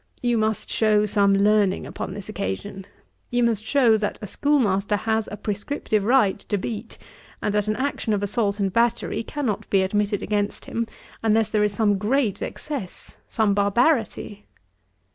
You must shew some learning upon this occasion. You must shew, that a schoolmaster has a prescriptive right to beat; and that an action of assault and battery cannot be admitted against him, unless there is some great excess, some barbarity.